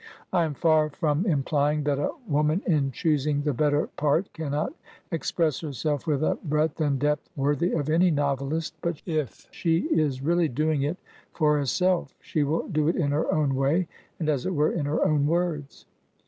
I am far from im plying that a woman in choosing the better part cannot 216 Digitized by VjOOQIC THACKERAY'S ETHEL NEWCOME express herself with a breadth and depth worthy of any novelist, but if she is really doing it for herself she will do it in her own way and, as it were, in her own words.